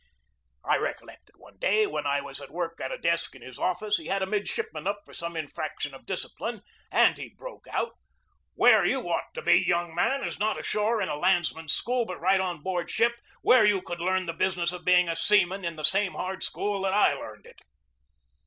I recollect that one day, when I was at work at a desk in his office, he had a midship man up for some infraction of discipline, and he broke out: "Where you ought to be, young man, is not ashore in a landsman's school, but right on board ship, where you would learn the business of being a seaman in the same hard school that I learned it."